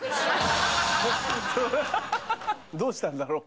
どうしたんだろう？